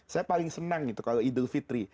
saya paling senang gitu kalau idul fitri